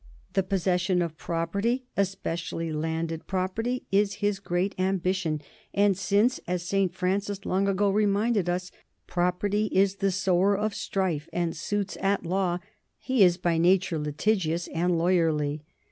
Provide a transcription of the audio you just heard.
The possession of property, especially landed property, is his great ambition ; and since, as St. Francis long ago reminded us, property is the sower of strife and suits at law, he is by nature litigious and lawyerly.